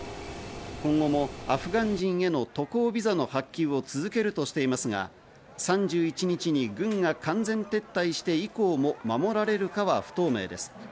今後もアフガン人への渡航ビザの発給を続けるとしていますが、３１日に軍が完全撤退して以降も守られるかは不透明です。